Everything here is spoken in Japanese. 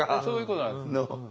そういうことなんです。